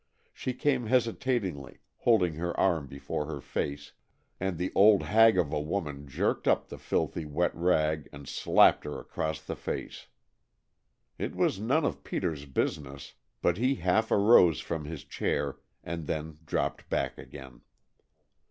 She came hesitatingly, holding her arm before her face, and the old hag of a woman jerked up the filthy, wet rag and slapped her across the face. It was none of Peter's business, but he half arose from his chair and then dropped back again.